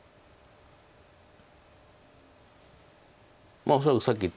まあ恐らくさっき言った